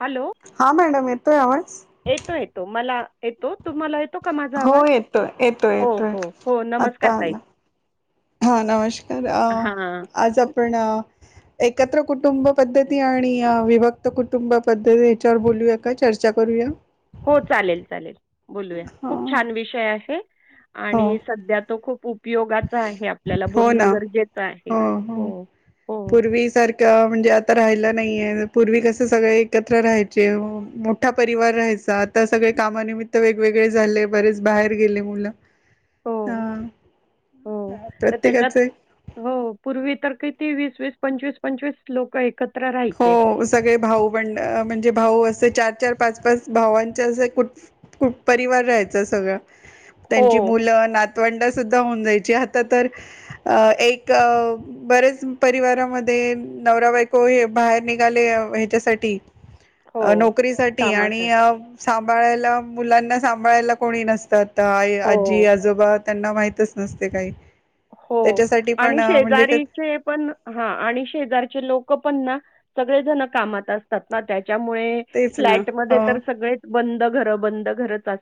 Hello हा madam येतोय आवाज? येतो -येतो मला येतो तुहाला य हो येतोय -येतोय -येतोय हो, हो. नमस्कार आता ताई. आला हा नमस्कार अ हां. आज आपण अ एकत्र कुटुंब पद्धती आणि विभक्त कुटुंब पद्धती याच्यावर बोलूया का चर्चा करू करूया हो चालेल- चालेल बोलूया हा खूप छान विषय आहे हो आणि सध्या तो खूप उप उपयोगाचा आहे आपल्याला हो ना बोलणं गरजेचं आहे हो हो, पूर्वी सारखं म्हणजे आ ता राहिला नाहीये पूर्वी कसे सगळे एकत्र राहायचे मोठा परिवार राहायचा आता सगळे कामानिमित्त वेगवेगळे झाले बरेच बाहेर गेले मुलं अ हो, हो तर त्याच्यात हो पूर्वी तर काहीती वीस -वीस, पंचवीस-पंचवीस लोक एकत्र राहायचे. हो सगळे भाऊ बंड म्हणजे, भाऊ असे चार, चार पाच, पाच भावांच्या असं कुट, कुट परिवार राहायचां सगळा. हो, त्यांची मुलं नातवंड सुद्धा होऊन जायची आता तर एक बरेच परिवारामध्ये नवरा बायको हे बाहेर निघाले ह्याच्यासाठी हो. अ नोकरी साठी आणि कामासाठी. सांभाळायला मुलांना सांभाळायला कोणी नसतं आता, आई, आजी, हो. आजोबा त्यांना माहितच नसते काही. हो त्याच्यासाठी पण आणि म्हणजे शेजारीचे पण हा आणि शेजारचे लोकं पण ना सगळे जण कामात असतात ना त्याच्यामुळे तेच ना फ्लॅट मध्ये हो तर सगळेच बंद घर बंद घरच अस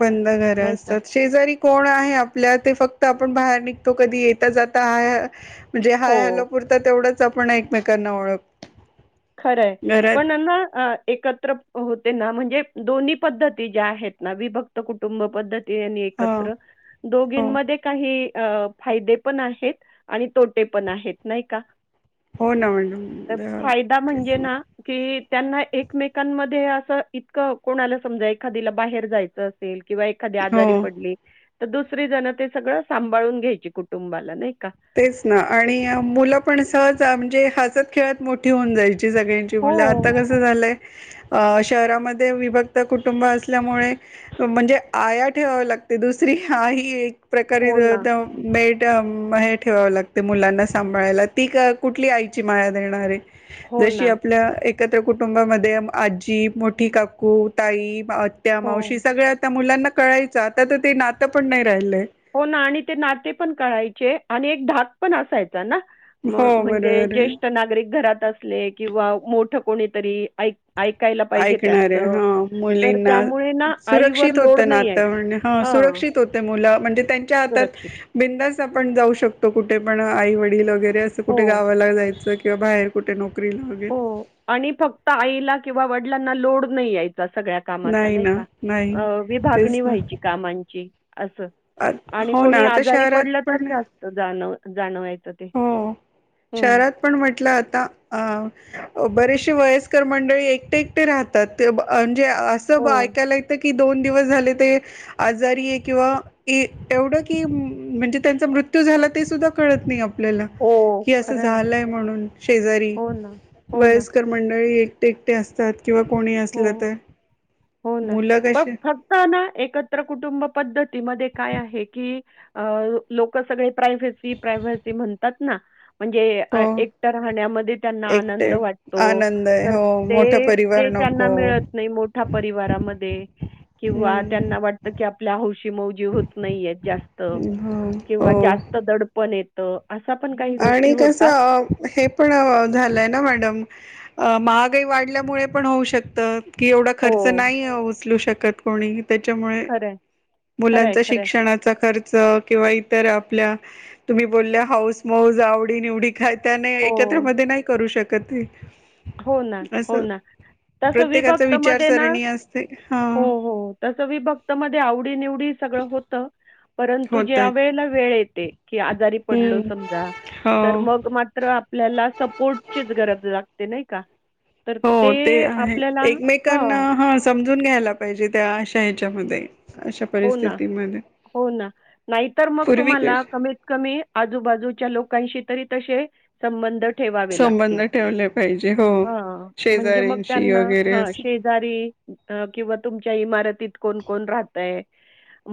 बंद घर असतात शेजारी कोण आहे, आपल्या ते फक क्त आपण बाहेर निघतो कधी येता जाता, हा म्हणजे हो, हाय हॅलो पुरत तेवढंच. आपण एकमेकांना ओळख खरंय घरात पण ना अ एकत्र होत म्हणजे दोन्ही पद्धती ज्या आहेत ना विभक्त कुटुंब पद्धत आणि ह एकत्र हो दोघींमध्ये काही अ फायदे पण आहेत आणि तोटे पण आहेत नाही का? हो ना तर मॅडम फायदा म्हणजे ना की. की त्यांना एकमेकांमध्ये असं इतकं कोणाला समजा एखादीला बाहेर जायचं असेल किंवा एखादी हो आजारी पडली, तर दुसरी जण ते सगळं सांभाळून घ्यायची कुटुंबाला नाही. का? तेच ना आणि मुलं पण सहज म्हणजे हसत खेळत मोठी होऊन जायची. सगळ्यांची मुलं हो. आता कसं झालंय अ शहरामध्ये विभक्त कुटुंब असल्यामुळे म्हणजे आया ठेवाव्या लाग ते दुसरी आई एक प्रकारे हो ना, त्या मेड म हे ठेवावं लागते मुलांना सांभाळायला ती क कुठली आईची माया देणारे. हो जशी ना. आपल्या एक एकत्र कुटुंबामध्ये आजी, मोठी काकू, ताई आत्या, हो. मावशी, सगळ्या त्या मुलांना कळायचं आता तर ते नातं पण नाही राहिलंय. हो ना आणि ते नाते पण कळायचे आणि एक धाक पण असाय चा ना हो, म्हणजे बरोबर आहे. ज्येष्ठ नागरिक घरात असले किंवा मोठ कोणीतरी ऐक. ऐकायला पाहिजे ऐकणारे त्यांचं. हा तर मुलींना त्यामुळे ना आईवर सुरक्षित होत लोड नाही आहे. नातं म्हण हं. हां, सुरक्षित होते मुलं. म्हणजे त्यांच्या हातात सुरक्षित. बिंदास्त आपण जाऊ शकतो कुठे पण आई वडील वगैरे. असं हो. कुठे गावाला जायचं, किंवा बाहेर कुठे नोक हो आणि फक्त आईला किंवा वडिलांना लोड नाही याय चा सगळ्या कामाचा नाही ना का नाही अ तेच विभागणी ना व्हायची कामांची असं आत आणि हो ना कोणी आता आजारी शहरात पडलं तर पण जास्त जाणव जाणवायचं ते. हो हं. शहरात पण म्हटलं आता अ बरेचसे वयस्कर मंडळी एकटे, एकटे राहतात, म्हणजे असं हो. ऐकायला येत की की दोन दिवस झाले ते आजारीये, किंवा एवढं की म्हणजे त्यांचा मृ- त्यू झाला ते सुद्धा कळत नाही आप ल्याला हो. की असं खरं आहे. झालंय म्हणून शेजारी हो ना. हो ना. वयस्कर मंडळी एक टे एकटे असतात. नी असल हो. त. हो ना प फक्त ना एकत्र कुटुंब पद्धतीमध्ये काय आहे की लोक सगळे प्रायव्सी, प्रायवसी म्हणतात ना म्हणजे हो, एकट राहण्यामध्ये त्यांना एकटे आनंद वाटतो आनंद आहे. तर हो, मोठा परिवार ते नको. मिळत नाही मोठ्या परिवारामध्ये. किंवा हं, त्यांना वाटत कि आपल्या हौशी मौजी होत नाहीय जास्त! हो, किंवा हो. जास्त दडपणये. आणि कसं हे पण झालंय ना मॅडम महागाई वाढल्यामुळे पण होऊ शकतं की एवढा हो, खर्च नाही उचलू शकत कोणी. त्याच्यामुळे खरं आहे, खरं आहे, मुलांचा खरं आहे. शिक्षणाचा खर्च किंवा इतर आपल्या तुम्ही बोलल्या हास मऊज आवडी निवडी काय त्याने हो, एकत्र म नाही करू शक त. हो ना हो ना तस प्रत्येकाचा विभक्त मध्ये ना विचारसरणी असते हा हो हो तस विभक्त मध्ये आवडी निवडी सगळं होत. परंतु ज्या होतात. वेळेला वेळ येते की आजारी पडलो हम्म समजा हो तर मग मात्र आपल्याला सपोर्टचीच गरज लाग ते नाही का? हो ते आहे आपल्याला एकमेकांना हां. हा समजून घ्यायला पाहिजे त्या त्या्याच्यामध्ये अशा हो ना, परिस्थितीमध्ये. हो ना नाहीतर मग पूर्वी तुम्हाला कसे कमीत कमी आजूबाजूच्या लोकांशी तरी तसे संबंध संबंध ठेवले पाहिजे हो. हा म्हणजे मग शेजाऱ्यांशी त्यांना वगैरे हा असं शेजारी किंवा तुमच्या इमारतीत कोण कोण राहतय.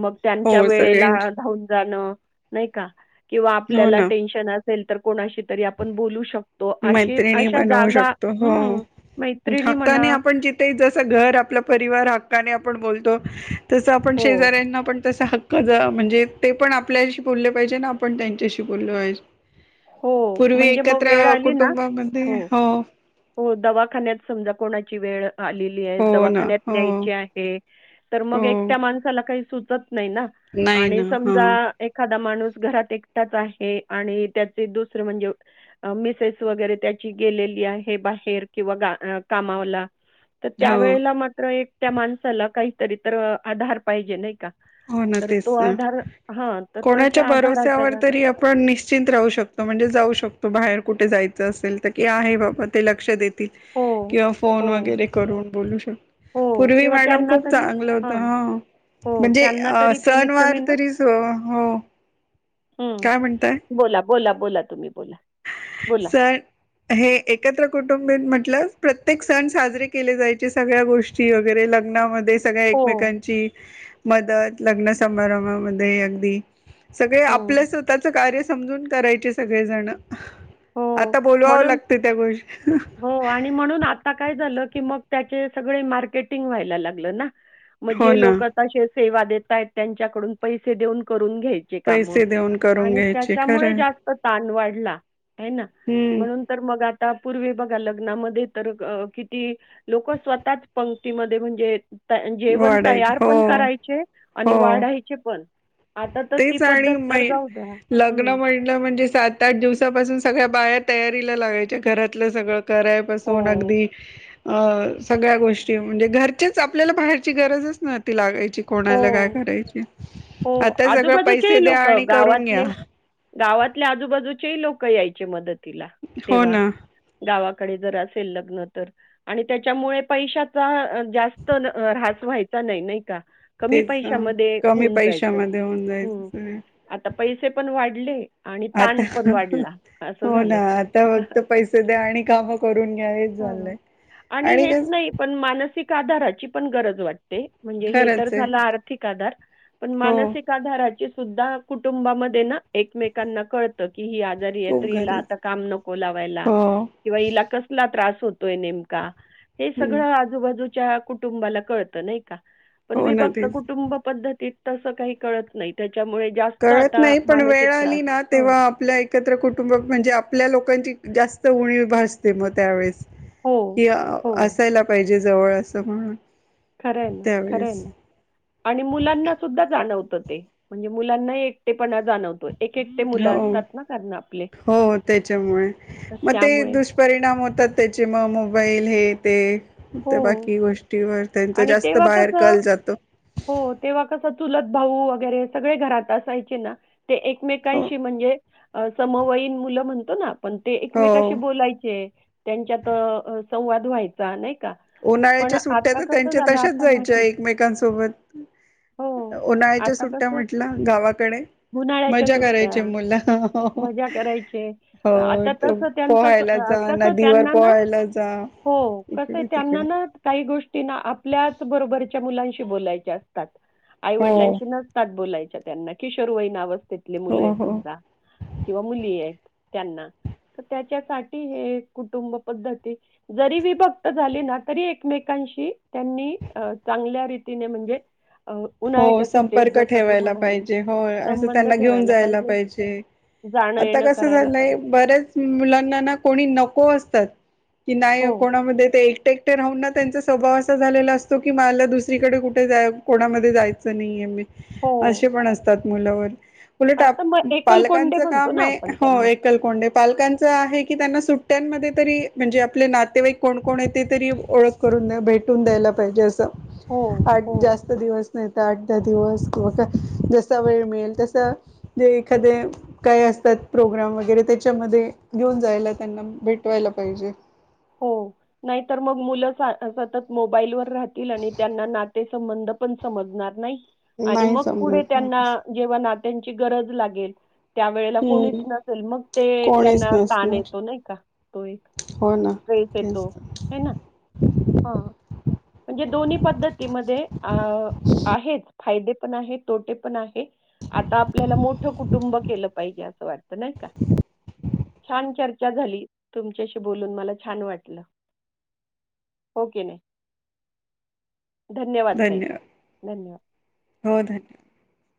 मग त्यांच्या हो वेळेला सगळ्यां धावून जाणं नाही का किंवा हो आपल्याला ना. टेन्शन अस तर कोणाशी तरी आपण बोलू शकतो. अशी मैत्रिणी अशा बनवू जागा शकतो हो. हं. मैत्रिणी म्हणा हक्काने आपण जिथे जस घर आपला परिवार हक्काने बोलतो तस आपण हो, शेजाऱ्यांना तसा हक्क जा म्हणजे ते पण आपल्याशी बोलले पाहिजे ना आपण त्यांच्याशी बोलले पाहिजे. हो. पूर्वी म्हणजे मग एकत्र वेळ आली ना कुटुंबामध्ये हो. हो दवाखान्यात समजा कोणाची वेळ आलेली आहे हो ना दवाखान्यात हो. न्यायची आहे तर मग हो एकट्या माणसाला काही सुचत नाही ना नाही आणि ना हा समजा एखादा माणूस घरात एकटाच आहे आणि त्या दुसर म्हणजे मिसेस वगैरे त्याची गेलेली आहे बाहेर किंवा कामावला तर त्या हो वळेला मात्र एक त्या माणसाला काहीतरी तर आधार पाहिजे नाही का! हो ना तर तो तेच ना आधार हां, तर कोणाच्या तशा आधाराच्या भरोस्यावर जागा तरी आपण निश्चंत राहू शकतो. म्हणजे जाऊ शकतो बाहेर कुठे जायचं असेल तर की आहे बाबा ते लक्ष देत हो, किंवा फोन हो, वगैरे करून बोलू शकतो. हो पूर्वी किंवा मॅडम त्यांना खूप तरी चांगलं होत हां. हा. हो, त्यांना तरी कमीत सनवार तरीच हो! हम्म काय बोला बोला बोला तुम्ही! बोला. बोला. सर हे एकत्र कुटुंबी म्हटलं प्रत्येक सण साजरे केले जाचे सगळ्या गोष्टी वगैरे लग्न सगळ्या हो, एकमेकांची मदत लग्न समारंभामध्ये अगदी सगळे हो, आपल्या स्वतःच कार्य समजून करायचे सगळेजण. हो आता बोलवावं लागते त्या गोष्टी आणि म्हणून आता काय झाल की मग त्याची सगळी मार्केट व्हायला लागली ना, म हो जे ना लोक आता शेत सेवा देेतय त्यांच्याकडून पैसे देऊन कर रुन घ्यायचे काम पैसे देऊन करून आणि घ्यायचे त्यामुळे खरं जास्त ताण वाढला हम्म म्हणून तर मग आता पूर्वी बघा लग्नामध्ये तर किती लोक स्वतःच पंक्तीमध्ये म्हणजे जेवण वाढायचे तयार हो पण करायचे आणि हो वाढायचे पण. आता तर ती तेच आणि पद्धत म तर जाऊ द्या. लग्न हं. म्हणलं म्हणजे सात आठ दिवसापासून सगळ बाहेर तयारीला लागायच्या घरातलं सगळं करायपासून हो, अगदी अ सगळ्या गोष्टी म्हणजे घरचेच आपल्याला बाहेरची गरजच न ती लागायची हो, कोणाला काय करायची हो आता सगळं आजूबाजूचे पैसे द्या लोक आणि करून गावातले घ्या गावातल्या आजूबाजूचे लोक लोक यायचे मदतीला हो तेंव्हा ना गावाकडे जर चे लग्न तर आणि त्याच्यामुळे पैशाचा जास्त आ रहात व्हायचा नाही नाही का कमी तेच पैशामध्ये कमी होऊन जायच पैशामध्ये होऊन जायचं हम्म सगळं आता पैसे पण वाढ आता असं हो झालं. ना आता फक्त पैसे द्या आणि काम करून घ्या हां. झालंय आणि हेच नाही पण मानसिक आधाराची पण गरज वाटते म्हणजे हे तर खरंच आहे झालं आर्थिक आधार पण हो मानसिक आधाराची सुद्धा कुटुंबामध्ये ना एकमेकांना कळतं ही आजारी खूप आहे हिला गरज आता काम नको लावायला हो किवा हला कसला त्र होतोय नेमका हे हम्म सगळं आजूबाजूच्या कुटुंबाला कळत नाही का पण हो ना विभक्त तेच कुटुंब पद्धतीत तस काही कळत नाही त्याच्यामुळे जास्त कळत आता नाही पण मानसिक वेळ त्रास आली ना हं. तेव्हा आपल्या एकत्र कुटुंब म्हणजे आपल्या लोकांची जास्त उणी भासते मग त्यावेळेस हो, कि हो. असायला पाहिजे जे जवळ असं म्हणून खरंय ना खरंयं आहे त्यावेळेस ना आणि मुलांना सुद्धा जाणवत म्हणजे मुलांना एकटेपणा जाणवतो एक एकटे मुलं हो असतात ना आपले, हो त्याच्यामुळे तर मग ते त्यामुळे. दुष्परिणाम होतात त्याचे मग मोबाईल हे ते हो त्या बाकी गोष्टीवर त्यांचं आणि जास्त तेव्हा बाहेर कसं कल जातो हो, तेव्हा कसं चुलत भाऊ वगैरे सगळे घरात असायचे ना ते हो एकमेकांशी म्हणजे समवयीन मुलं म्हणतो ना पण ते एकमेकाशी हो बोलायचे त्यांच्यात संवाद व्हायचा नाही का? पण उन्हाळ्याच्या सुट्ट्या आता तर कसं त्यांच्या झालं, तशाच आता जायच्या नाही. एकमेकांसोबत हो, उन्हाळ्याच्या आता सुट्ट्या कसं म्हटला गावाकडे उन्हाळ्याच्या मज्जा सुट्ट्या, करायची मुल मजा करायचे. हो आता तसं त्यांचं स- पोहायला अ, जा कसं नदीवर त्यांना ना पोहायला जा हो. कसं आहे इकडे त्यांना तिकडे ना काही गोष्टीना आपल्याच बरोबरच्या मुलांशी बोलायच्या असतात हो आईवडिलांशी नसतात बोलायच्या त्यांना कि किशोरवईना अवस्थ त्याथले मुलं हो आहे हो समजा किंवा मुली आहेत त्यांना त्याच्यासाठी हे कुटुंब पद्धती जरी विभक्त तरी एकमेकशी त्यां चगल्या रीतीने म्हणजे अ, हो उन्हाळ्याच्या सुट्टीत संपर्क जसं तू ठेवायला म्हणाली, पाहिजे हो असं संबंध त्यांना घेऊन ठेवायला जायला पाहिजे. आता जाणं-येणं कसं करायला झालंय पाहिजे. बऱ्याच मुलांना ना कोणी नको असतात कि नाही हो, कोणामध्ये ते एकटे राहून त्यांचा स्वाभाव असा झालेला असतो की मला दुसरीकडे कुठे जा कोणा जायच नाही आहे हो. असे पण असतात मुल वर उलट असं मग एकलकोंडे पालकांच म्हणतो काम ना आहे आपण हो त्यांना. एकलकोंडे पालकांच आहे की त्यांना सुट्ट्यांमध्ये तरी म्हणजे आपले नातेवाईक कोणकण आहे ते तरी ओळख करून द भेटून द्यायला पाहिजे हो, असं आठ हो, जास्त दिवस आठ दहा दिवस जसा वेळ मिळेल तसं जे एखादे काय अस प्रोग्राम वगैरे त्याच्यामध्ये घेऊन जायला त्यांना भेटवायला पाहिजे हो नाही तर मग मुलं सत सतत मोबाईल वर राहतील आणि त्यांना नाते संबंध आपण समजणार नाही आणि नाही मग पुढे समजत ना त्यांना तसं. जीवनात त्यांची गरज लागेल त्या वेळेला कोणीच हम्म नसेल मग ते कोणीच त्यांना ताण नसणार येतो नाही का तो एक हो ना तेच तो तर हे ना हा, म्हणजे दोन्ही पद्धतीमध्ये अ आहेत. फायदे पण आहे तोटे पण आहे, आता आपल्याला मोठं कुटुंब केलं पाहिजे असं वाटत. नाही का? छान! चर्चा झाली तुमच्याशी बोलून मला छान! वाटलं हो कीनइ. धन्यवाद ताई धन्यवाद! हो, धन्यवाद!